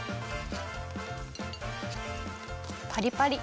パリパリ。